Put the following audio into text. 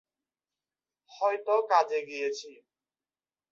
হয়তো কাজে গিয়েছি।